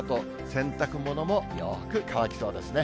洗濯物もよく乾きそうですね。